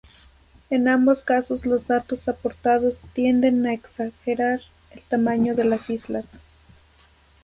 En ambos casos los datos aportados tienden a exagerar el tamaño de las islas.